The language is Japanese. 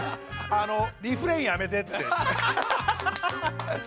あのリフレインやめてって。